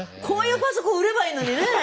こういうパソコン売ればいいのにね。